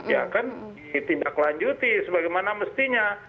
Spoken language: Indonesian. ya kan ditindaklanjuti sebagaimana mestinya